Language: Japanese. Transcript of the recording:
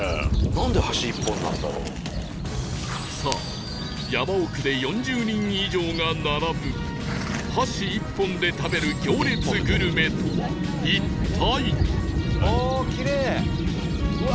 さあ山奥で４０人以上が並ぶ箸１本で食べる行列グルメとは一体？